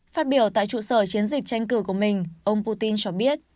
phát biểu tại trụ sở chiến dịch tranh cử của mình ông putin cho biết